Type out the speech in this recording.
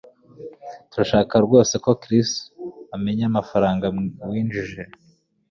Turashaka rwose ko Chris amenya amafaranga winjiza